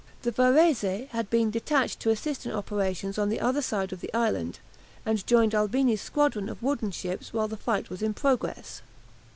The "Varese" had been detached to assist in operations on the other side of the island, and joined Albini's squadron of wooden ships while the fight was in progress.